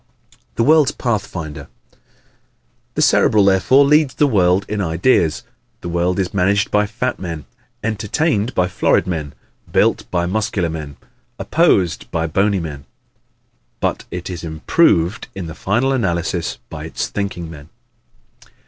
The World's Pathfinder ¶ The Cerebral therefore leads the world in ideas. The world is managed by fat men, entertained by florid men, built by muscular men, opposed by bony men, but is improved in the final analysis by its thinking men.